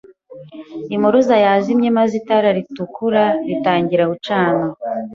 Impuruza yazimye maze itara ritukura ritangira gucana.